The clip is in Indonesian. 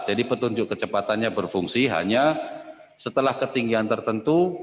petunjuk kecepatannya berfungsi hanya setelah ketinggian tertentu